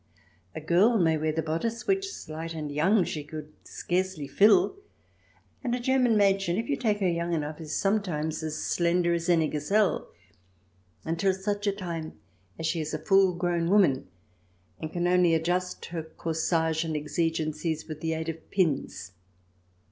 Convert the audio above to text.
A girl may wear the bodice, which, slight and young, she could scarcely fill — and a German Madchen, if you take her young enough, is sometimes as slender as any gazelle — 134 THE DESIRABLE ALIEN [ch. ix until such time as she is a full grown woman and can only adjust her corsage and exigencies with the aid of pins.